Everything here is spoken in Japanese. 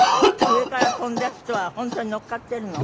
上から跳んだ人は本当にのっかっているの？